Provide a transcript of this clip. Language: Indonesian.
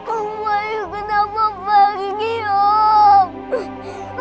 om wayu kenapa pergi om